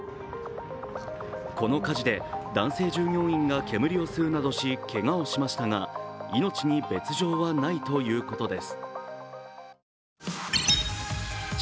この火事で、男性従業員が煙を吸うなどしてけがをしましたが命に別状はないということです。